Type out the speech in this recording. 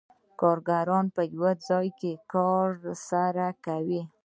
کارګرانو به یو ځای کار سره کاوه